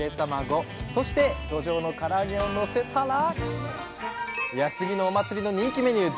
そしてどじょうのから揚げをのせたら安来のお祭りの人気メニュー